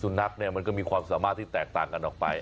นักเนี่ยมันก็มีความสามารถที่แตกต่างกันออกไป